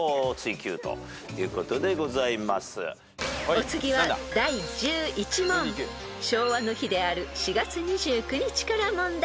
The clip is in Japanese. ［お次は第１１問昭和の日である４月２９日から問題］